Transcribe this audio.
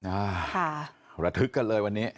อ่าอูถึกเลยวันนี้